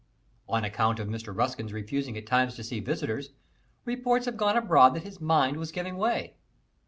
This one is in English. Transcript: On account of Mr. Ruskin's refusing at times to see visitors, reports have gone abroad that his mind was giving way.